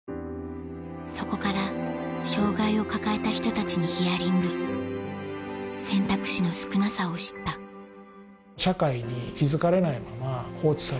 そこから障がいを抱えた人たちにヒアリング選択肢の少なさを知った社会に気付かれないまま放置されてる。